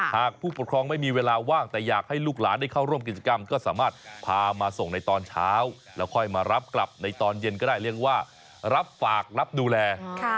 หากผู้ปกครองไม่มีเวลาว่างแต่อยากให้ลูกหลานได้เข้าร่วมกิจกรรมก็สามารถพามาส่งในตอนเช้าแล้วค่อยมารับกลับในตอนเย็นก็ได้เรียกว่ารับฝากรับดูแล